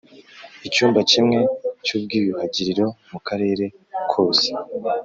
icyumba kimwe cy ubwiyuhagiriro mu karere kose